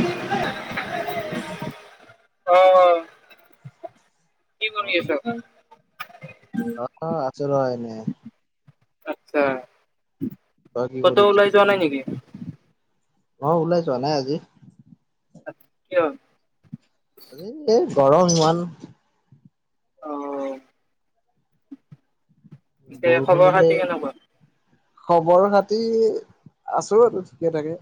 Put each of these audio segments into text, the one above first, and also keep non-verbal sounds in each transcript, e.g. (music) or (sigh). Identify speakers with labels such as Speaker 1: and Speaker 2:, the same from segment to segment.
Speaker 1: (unintelligible)
Speaker 2: Hello.
Speaker 1: অঁহ। কি
Speaker 2: অ
Speaker 1: কৰি আছ?
Speaker 2: অ আছো ৰ এনে
Speaker 1: আতচ্ছা।
Speaker 2: তই কি কৰি
Speaker 1: ক'তো ওলাই যোৱা নাই নেকি?
Speaker 2: অ ওলাই যোৱা নাই আজি।
Speaker 1: কিয়?
Speaker 2: আজি এই গৰম ইমান।
Speaker 1: অঁহ।
Speaker 2: বৰষুণ দিলে। খবৰ খাতি আছোঁ আৰু ঠিকে থাকে।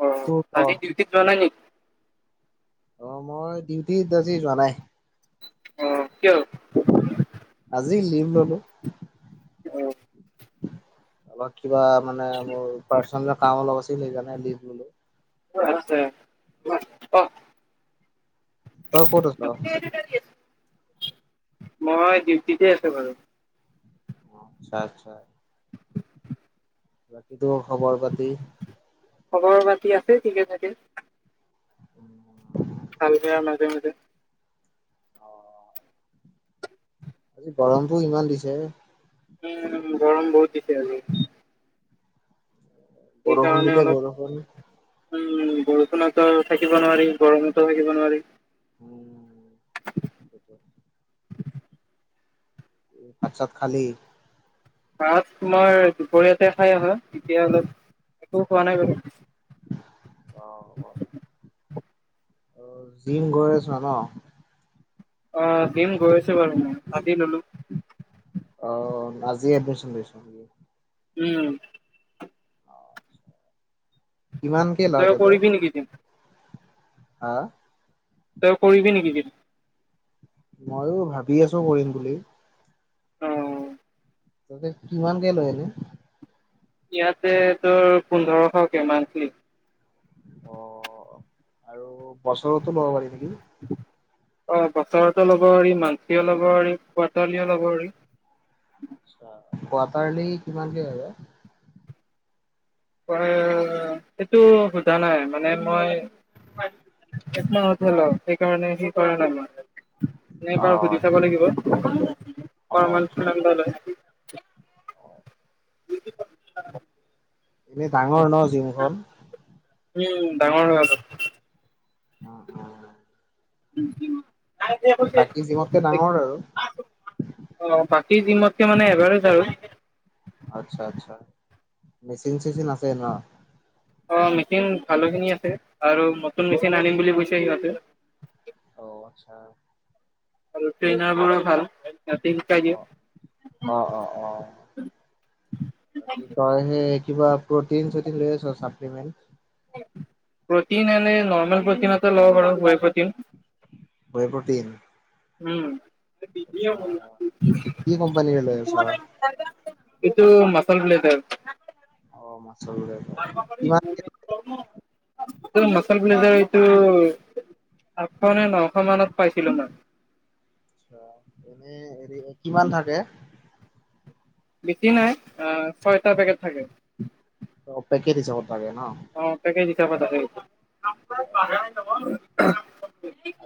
Speaker 1: অঁ
Speaker 2: তোৰ ক
Speaker 1: আজি ডিউটিত যোৱা নাই নেকি?
Speaker 2: অঁ মই ডিউটিত আজি যোৱা নাই।
Speaker 1: অঁ কিয়?
Speaker 2: আজি লীভ ল'লো।
Speaker 1: অ
Speaker 2: অলপ কিবা মানে মোৰ পাৰ্চনেল কাম অলপ আছিল সেইকাৰণে লীভ ল'লো।
Speaker 1: মোৰো আছে।
Speaker 2: তই ক'ত আছ অ,
Speaker 1: মই ডিউটিতে আছোঁ বাৰু।
Speaker 2: অঁ আচ্ছা আচ্ছা। বাকী তোৰ খবৰ পাতি?
Speaker 1: খবৰ পাতি আছে ঠিকে থাকে।
Speaker 2: উম'।
Speaker 1: ভাল বেয়াৰ মাজে মাজে।
Speaker 2: অঁ। আজি গৰমটো ইমান দিছে।
Speaker 1: উম গৰম বহুত দিছে আজি।
Speaker 2: বৰষুণ
Speaker 1: সেইকাৰণে
Speaker 2: দিলে বৰষুণ
Speaker 1: অলপ উম', বৰষুণতো থাকিব নোৱাৰি, গৰমতো থাকিব নোৱাৰি।
Speaker 2: উম, সেইটোয়ে। এই ভাত চাত খালি?
Speaker 1: ভাত তোমাৰ দুপৰীয়াতে খাই অহা। এতিয়া অলপ একো খোৱা নাই বাৰু।
Speaker 2: অঁ, আৰু জিম গৈ আছ ন?
Speaker 1: অ', জিম গৈ আচো বাৰু ময় আজি ললোঁ।
Speaker 2: অ', আজি এডমিশ্যন লৈছ নেকি?
Speaker 1: উম।
Speaker 2: কিমানকে লয়
Speaker 1: তই
Speaker 2: তাতে
Speaker 1: কৰিবি নেকি জিম?
Speaker 2: হা?
Speaker 1: তই কৰিবি নেকি জিম?
Speaker 2: ময়ো ভাবি আছোঁ কৰিম বুলি।
Speaker 1: (unintelligible)
Speaker 2: তাতে কিমান কে লৈ নো?
Speaker 1: ইয়াতে তোৰ পোন্ধৰশকে মান্থলি।
Speaker 2: অ', আৰু বছৰতো ল'ব পাৰি নেকি?
Speaker 1: অ', বছৰতো লব পাৰি, মান্থলি ল'ব পাৰি, কোৱাৰ্টাৰলি ল'ব পাৰি।
Speaker 2: কোৱাৰ্টাৰলি কিমান কে হয় বা?
Speaker 1: মই সেইটো সোধা নাই, মানে মই একমাহত হল সেইকাৰণে (unintelligible) কৰা নাই মই। নে
Speaker 2: অ
Speaker 1: বাৰু সুধি চাব লাগিব।
Speaker 2: অ
Speaker 1: পাৰ মান্ত
Speaker 2: আচ্ছা
Speaker 1: কিমান বা লৈ? (unintelligible)
Speaker 2: এনে ডাঙৰ ন জিমখন?
Speaker 1: উম, ডাঙৰ হৈ অলপ।
Speaker 2: উম, উম।
Speaker 1: (unintelligible)
Speaker 2: বাকী জিমতকে ডাঙৰ আৰু?
Speaker 1: অ' বাকী জিমতকে মানে এভাৰেজ আৰু।
Speaker 2: আচ্ছা-আচ্ছা, মেচিন চেচিন আছে ন?
Speaker 1: অ', মেচিন ভালো খিনি আছে আৰু নতুন মেচিন আনিম বুলি কৈছে ইহতে।
Speaker 2: ঔ, আচ্ছা।
Speaker 1: আৰু ট্ৰেইনাৰ বোৰো ভাল। সিহঁতে শিকাই
Speaker 2: অ
Speaker 1: দিয়ে।
Speaker 2: অ অ অ তই সে কিবা প্ৰটিন চটিন লৈ আছ চাপ্লিমেণ্ট?
Speaker 1: প্ৰটিন এনে নৰ্মেল প্ৰটিন এটা লওঁ বাৰু whey protein.
Speaker 2: Whey protein.
Speaker 1: Um.
Speaker 2: আচ্ছা কি কোম্পানীৰে লৈ আছ
Speaker 1: এটো মাছোল ব্লেজার।
Speaker 2: অ' মাছোল ব্লেজার।
Speaker 1: (unintelligible)
Speaker 2: (inaudible)
Speaker 1: এতো মাছোল ব্লেজাব় এইটো আঠশ নে নশ মানত পাইছিলো মই।
Speaker 2: আচ্ছা এনে হেৰি কিমান থাকে?
Speaker 1: বেছি নাই অ' ছয়টা পেকেট থাকে।
Speaker 2: অ' পেকেটত হিছাপত থাকে ন।
Speaker 1: অ' পেকেট হিচাপত আহে।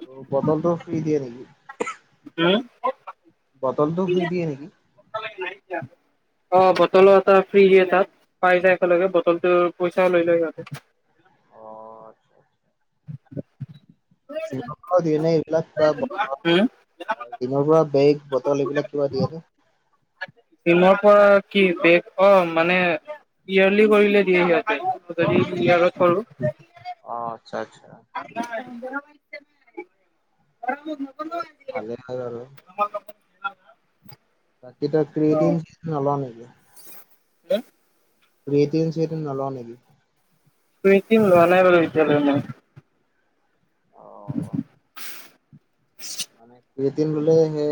Speaker 2: আৰু বটলটোউ ফ্ৰী দিয়ে নেকি?
Speaker 1: হম
Speaker 2: বটলটো ফ্ৰী দিয়ে নেকি?
Speaker 1: (unintelligible) (inaudible) অ বটলৰ এটা ফ্ৰী দিয়ে তাত, পাই যায় একেলগে বটলটোৰ পইচাও লৈ লয় সিহঁতে।
Speaker 2: অ আচ্ছা। চিনে ইল (unintelligible) এইবিলাক কিবা
Speaker 1: উম
Speaker 2: জিমৰ পৰা বেগ বটল এইবিলাক কিবা দিয়ে নে?
Speaker 1: জিমৰ পৰা কি বেগ অ' মানে ইয়াব়লি কৰিলে দিয়ে সিহঁতে যদি ইয়াব়ত কৰো।
Speaker 2: অ' আচ্ছা-আচ্ছা।
Speaker 1: (unintelligible)
Speaker 2: ভালে ইয় আৰু।
Speaker 1: তোমাৰ লগৰ
Speaker 2: বাকী তই ফ্ৰী ডিন নলওঁ নেকি?
Speaker 1: হে?
Speaker 2: তুমি এটিয়েম চেটিয়েম নলৱ নেকি?
Speaker 1: টু এইটিন লোৱা নাই বাৰু এতিয়ালৈ মই।
Speaker 2: অ
Speaker 1: (unintelligible)
Speaker 2: মানে টু এইটিন ল'লে হে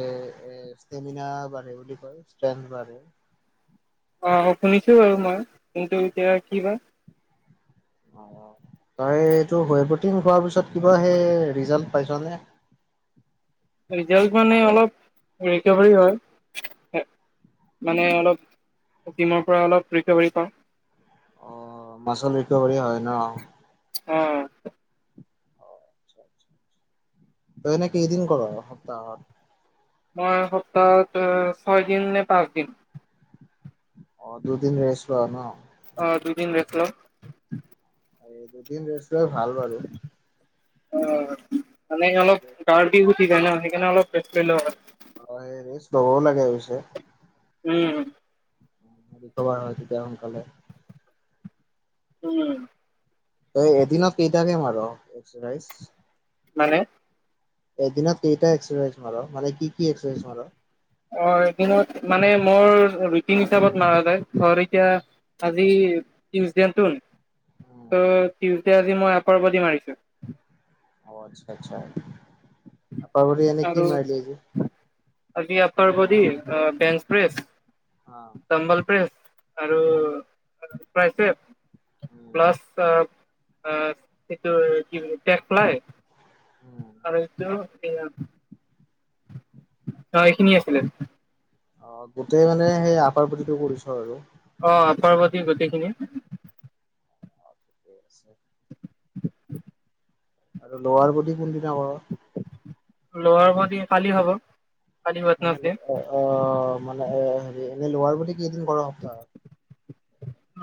Speaker 2: এ এ ষ্টেমিনা বাঢ়ে বুলি কয় ষ্ট্ৰেন্দ বাঢ়ে।
Speaker 1: অ অ শুনিছোঁ বাৰু মই কিন্তু এতিয়া কি হয়?
Speaker 2: অ তই সেইটো হোৱে প্ৰ'টিন খোৱাৰ পিছত কিবা সেই ৰিজাল্ট পাইছ নে?
Speaker 1: ৰিজাল্ট মানে অলপ ৰিকভাৰী হয়। সে মানে অলপ প্ৰ'টিনৰ পৰা অলপ ৰিকভাৰী পাওঁ।
Speaker 2: অহ মাছল ৰিকভাৰী হয় ন?
Speaker 1: অহ।
Speaker 2: তই এনে কেইদিন কৰ সপ্তাহত?
Speaker 1: মই সপ্তাহত তোৰ ছয় দিন নে পাঁচ দিন।
Speaker 2: অঁ দুদিন ৰেষ্ট লোৱা ন?
Speaker 1: অঁ দুদিন ৰেষ্ট লওঁ।
Speaker 2: আৰে দুদিন ৰেষ্ট লোৱা ভাল বাৰু।
Speaker 1: অঁ মানে অলপ গাৰ বিষ উঠি যায় ন সেইকাৰণে অলপ ৰেষ্ট লৈ লওঁ।
Speaker 2: অঁ এই ৰেষ্ট ল'বও লাগে পিছে।
Speaker 1: উম।
Speaker 2: ৰিকভাৰ হয় তেতিয়া সোনকালে।
Speaker 1: উম।
Speaker 2: তই এদিনত কেইটাকে মাৰ এক্সাৰচাইজ?
Speaker 1: মানে?
Speaker 2: এদিনত কেইটা এক্সাৰচাইজ মাৰ মানে কি কি এক্সাৰচাইজ মাৰ?
Speaker 1: অ এদিনত মানে মোৰ ৰুটিন হিচাপত মাৰা যায়। ধৰ এতিয়া আজি টিউচডে তোন ত' টিউচডে আজি মই আপাৰ বদি মাৰিছো।
Speaker 2: অঁ আচ্ছা আচ্ছা। আপাৰ বদি এনে কি
Speaker 1: আৰু
Speaker 2: মাৰিলি আজি?
Speaker 1: আজি আপাৰ বদি আ বেঞ্চ প্ৰেছ। ডাম্বল প্ৰেছ আৰু থ্ৰাইছেপ। প্লাছ আ আ সেইটো কি বুলি টেকলাই, আৰু এইটো কি আ অঁ এইখিনিয়ে আছিলে।
Speaker 2: অঁ, গোটেই মানে সেই আপাৰ বদিটো কৰিছ আৰু।
Speaker 1: অঁ আপাৰ বদি গোটেইখিনি।
Speaker 2: (unintelligible) আৰু লৱাৰ বদি কোনদিনা কৰ?
Speaker 1: লৱাৰ বদি কালি হ'ব। কালি
Speaker 2: মানে
Speaker 1: ৱেডনেছডে
Speaker 2: অহ অহ মানে এ হেৰী এনে লৱাৰ বদি কেইদিন কৰ সপ্তাহত?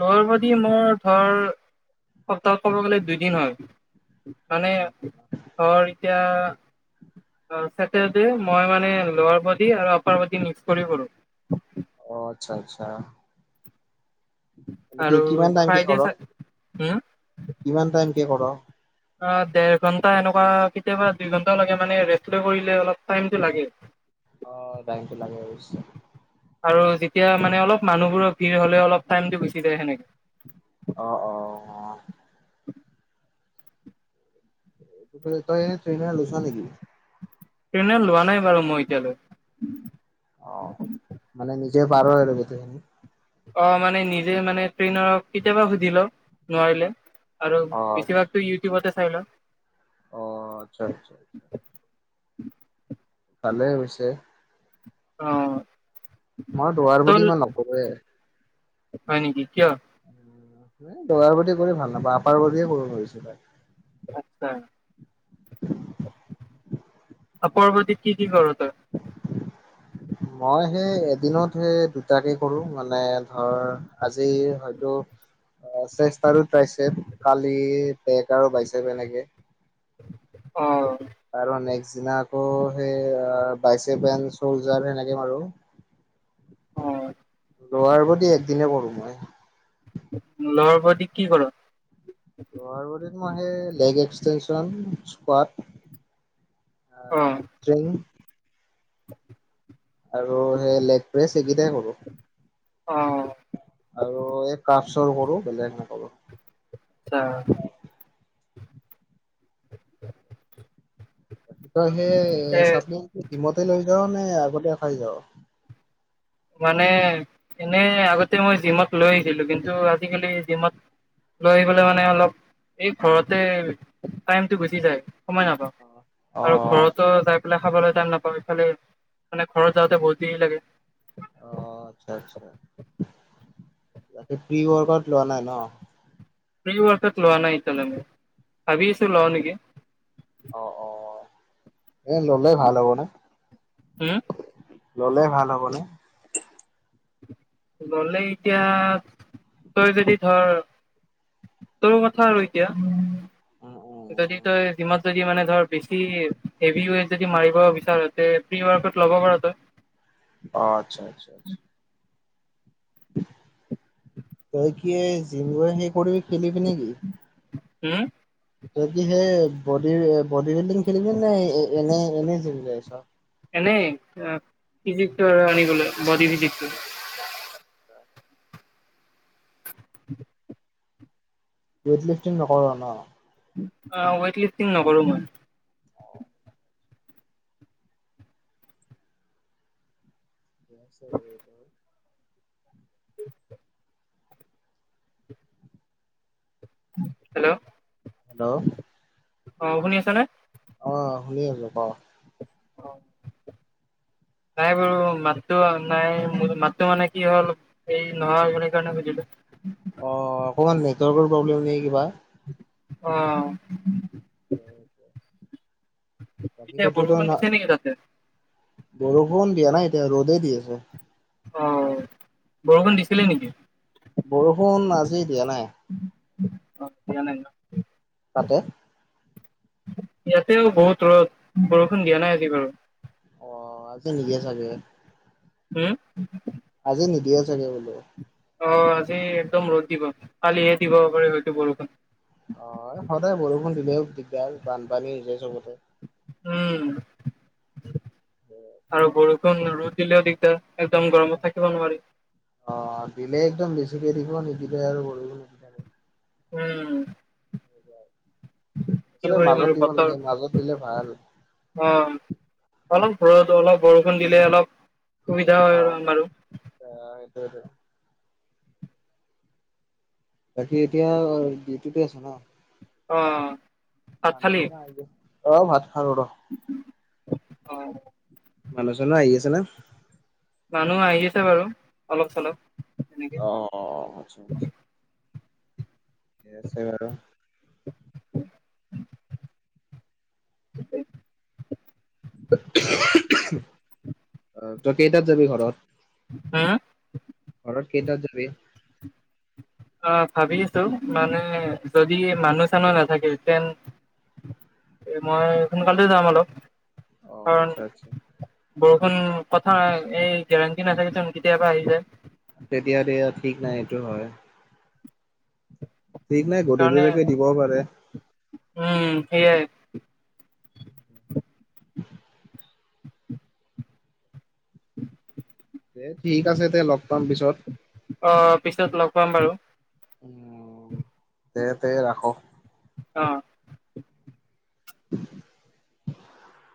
Speaker 1: লৱাৰ বডী মোৰ ধৰ সপ্তাহত ক'ব গ'লে দুইদিন হয়। মানে
Speaker 2: দুদিন।
Speaker 1: ধৰ এতিয়া। অঁ চেটাৰডে মই মানে লৌআৰ বডী আৰু আপাৰ বডী মিক্স কৰি কৰো।
Speaker 2: অ, আচ্ছা- আচ্ছা। কি
Speaker 1: আৰু
Speaker 2: কিমান টাইম কে
Speaker 1: ফ্ৰাইডে
Speaker 2: কৰ
Speaker 1: চা হম
Speaker 2: কিমান টাইম কে কৰ?
Speaker 1: আ দেৰ ঘন্টা এনেকুৱা কেতিয়াবা দুই ঘন্টা লাগে মানে ৰেষ্ট লৈ কৰিলে অলপ টাইমটো লাগে।
Speaker 2: অঁ টাইমটো লাগে অবশ্য।
Speaker 1: আৰু যেতিয়া মানে অলপ মানুহবোৰৰ ভিৰ হ'লে অলপ টাইমটো গুচি যায় সেনেকে।
Speaker 2: অ অ অ তই এনে ট্ৰেইনাৰ লৈছ নেকি?
Speaker 1: ট্ৰেইনাৰ লোৱা নাই বাৰু মই এতিয়ালৈ।
Speaker 2: অ, মানে নিজে পাৰ আৰু গোটেইখিনি।
Speaker 1: অ, মানে নিজে মানে ট্ৰেইনাৰ কেতিয়াবা সুধি লওঁ নোৱাৰিলে। আৰু
Speaker 2: অ',
Speaker 1: বেছিভাগতো ইউটিউবতে চাই লওঁ।
Speaker 2: অ, আচ্ছা - আচ্ছা। ভালে হৈছে।
Speaker 1: অঁ
Speaker 2: মই দুৱাৰ বুলি ইমান নকৰোৱে।
Speaker 1: হয় নেকি কিয়?
Speaker 2: লোৱাৰ বডী কৰি ভাল নাপাওঁ আপাৰ বডীয়ে কৰো বেছিভাগ।
Speaker 1: আচ্ছা আপাৰ বডীত কি - কি কৰ তই?
Speaker 2: (inaudible) মই সেই এদিনত সে দুটাকে কৰো মানে ধৰ আজি হয়তো- অঁ চেষ্ট আৰু ট্ৰাইছেত, কালি বেক আৰু বাইছেপ এনেকে-
Speaker 1: অঁ
Speaker 2: আৰু নেক্সট দিনা আকৌ সেই বাইচেপ এন্ড চলজাৰ সেনেকে মাৰো। (unintelligible)
Speaker 1: অ',
Speaker 2: লৌআৰ বডী এক দিনে কৰো মই।
Speaker 1: লৌআৰ বডী কি কৰ?
Speaker 2: লৱাৰ বডী মানে লেগ এক্সটেনচন স্কোৱাত। অ', হেপ্তেইং। আৰু সেই লেগ প্ৰেছ এইকেইটাই কৰো।
Speaker 1: অ',
Speaker 2: আৰু এই কাপ চৰ কৰো বেলেগ নকৰো।
Speaker 1: আচ্ছা। (inaudible)
Speaker 2: ই
Speaker 1: পিছে
Speaker 2: সেই চাটনিটো জিমতে লৈ যাওঁ নে আগতে খাই যাওঁ।
Speaker 1: মানে এনেই আগতে মই জিমত লৈ আহিছিলো কিন্তু আজিকালি জিমত লৈ আহিবলৈ মানে অলপ এই ঘৰতে টাইমটো গুচি যায় সময় নাপাও।
Speaker 2: অ
Speaker 1: আৰু ঘৰতো
Speaker 2: আচ্ছা।
Speaker 1: যাই পেলাই খাবলৈ টাইম নাপাও ইফালে মানে ঘৰত যাওঁতে বহুত দেৰি লাগে।
Speaker 2: অ, আচ্ছা - আচ্ছা তাকে প্ৰি ৱৰ্ত লোৱা নাই ন।
Speaker 1: প্ৰি ৱাকাত লোৱা নাই এতিয়ালে মোৰ লঁও ভাবি আছোঁ লঁও‌ নেকি?
Speaker 2: অ অ এ ল'লেই ভাল হ'ব ন
Speaker 1: উম
Speaker 2: ললে ভাল হ'বনে
Speaker 1: ললে এতিয়াতই যদি ধৰ। তোৰ কথা আৰু এতিয়া।
Speaker 2: উম উম
Speaker 1: যদি
Speaker 2: উম
Speaker 1: তই যদি মানে ধৰ বেছি হেভি ৱেট যদি মাৰিব বিচাৰ প্ৰি ৱাৰকত ল'ব পাৰ ত
Speaker 2: অ আচ্ছা আচ্ছা তই কি যি সে কৰিবি খেলিবি নেকি
Speaker 1: উম!
Speaker 2: যদি সেই, বডি- বডি বিল্ডিং খেলিবি নে', এনেই এনেইে চাব আহিছ?
Speaker 1: এনেই। ফিজিকটো আৰু আনিবলৈ, বডি ফিজিকটো। (unintelligible)
Speaker 2: ৱেইত লিফিং নকৰ ন
Speaker 1: অ ৱেইটলিফ্টিং নকৰো মই
Speaker 2: এ আছে আৰু।
Speaker 1: হেল্ল'?
Speaker 2: হেল্ল'?
Speaker 1: অ'! শুনি আছানে?
Speaker 2: অ'! শুনি আছোঁ, ক'? (inaudible)
Speaker 1: নাই বাৰু মাতটো, নাই। মোৰ মাতটো মানে, কি হ'ল সি নোৱাৰোঁ বুলি ক'লে, সুধিলোঁ।
Speaker 2: অ'! অকণমান নেটৱৰ্কৰ প্ৰব্লেম নে', কিবা?
Speaker 1: অ'!
Speaker 2: (inaudible) বাকী
Speaker 1: পিছে,
Speaker 2: ক'তোতো
Speaker 1: বৰষুণ
Speaker 2: না
Speaker 1: দিছে নেকি তাতে?
Speaker 2: বৰষুণ দিয়া নাই এতিয়া, ৰ'দেই দি আছে।
Speaker 1: অ'!
Speaker 2: মানে
Speaker 1: বৰষুণ দিছিলে নেকি?
Speaker 2: বৰষুণ, আজি দিয়া নাই।
Speaker 1: অ দিয়া নাই ন'?
Speaker 2: তাতে।
Speaker 1: ইয়াতেও বহুত ৰ'দ! বৰষুণ দিয়া নাই আজি বাৰু।
Speaker 2: অ'! আজি নিদিয়ে চাগে!
Speaker 1: হে?
Speaker 2: আজি নিদিয়ে চাগে, বোলে।
Speaker 1: অ'! আজি একদম ৰ'দ দিব। কালিহে দিব পাৰে, হয়তো বৰষুণ।
Speaker 2: অ'! সদায় বৰষুণ দিলেও দিগদাৰ, বানপানী হৈছে চবতে।
Speaker 1: উম! আৰু বৰ ৰ'দ দিলেও দিগদাৰ, একদম গৰমত থাকিব নোৱাৰি!
Speaker 2: অ'! দিলে একদম বেছিকে দিব, নিদিলে আৰু (unintelligible)
Speaker 1: উম! কি
Speaker 2: আচলতে,
Speaker 1: কৰিম
Speaker 2: মাজত
Speaker 1: আৰু
Speaker 2: দিব
Speaker 1: বতৰ
Speaker 2: লাগে মাজত, দিলে ভাল।
Speaker 1: অ'! অলপ ঘৰত, অলপ বৰষুণ দিলে, অলপ সুবিধা হয় আৰু আমাৰো।
Speaker 2: অ'! সেইটোৱেইটো। বাকী, এতিয়া ডিউটিতে আছ ন'?
Speaker 1: অ'! ভাত খালি
Speaker 2: মানুহজনে আহিলে। অ'! ভাত খাওঁ ৰ'।
Speaker 1: অ'!
Speaker 2: মানুহ- চানুহ‌ আহি আছে না?
Speaker 1: মানুহ আহি আছে বাৰু, অলপ- চলপ এনেকে।
Speaker 2: অ অ'! আচ্ছা, আচ্ছা। (unintelligible) আছে বাৰু। অ'! তই কেইটাত যাবি ঘৰত?
Speaker 1: হা?
Speaker 2: ঘৰত কেইটাত যাবি?
Speaker 1: অ'! ভাবি আছোঁ! মানে, যদি মানুহ- চানুহ নাথাকে, তেন এ মই সোনকালতে যাম অলপ
Speaker 2: অ
Speaker 1: কাৰণ
Speaker 2: আচ্ছা আচ্ছা
Speaker 1: বৰষুণ কথা এই গেৰাণ্টি নাথাকে চুন কেতিয়াবা আহি যায়।
Speaker 2: তে দিয়া-দিয়া ঠিক নাই এইটো হয়। ঠিক নাই
Speaker 1: সেইকাৰণে
Speaker 2: গধূলিলৈকে দিবও পাৰে।
Speaker 1: উম, সেয়াই।
Speaker 2: (inaudible) এ, ঠিক আছে দে, লগ পাম পিছত।
Speaker 1: অ'! পিছত লগ পাম বাৰু।
Speaker 2: উম, দে-দে ৰাখক।
Speaker 1: অ'!
Speaker 2: (inaudible)